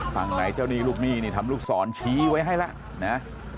ฝั่งไหนเจ้าหนี้ลูกหนี้นี่ทำลูกศรชี้ไว้ให้แล้วนะ